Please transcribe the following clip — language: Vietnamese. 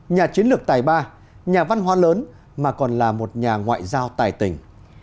nhà chiến lược tài ba nhà văn hóa lớn mà còn là một nhà ngoại giao tài tình